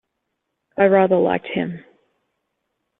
I rather liked him.